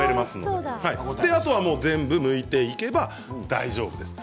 であとは全部むいていけば大丈夫です。